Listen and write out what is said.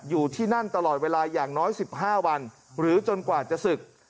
อยู่ที่นั่นตลอดเวลาอย่างน้อย๑๕วันหรือจนกว่าจะศึก